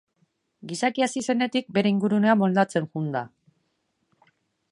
Gizakia hasi zenetik, bere ingurunea moldatzen joan da.